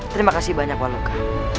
terima kasih banyak waluqa